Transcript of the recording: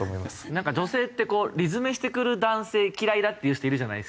なんか女性ってこう理詰めしてくる男性嫌いだっていう人いるじゃないですか。